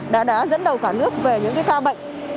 đã dẫn đầu cả nước về những ca bệnh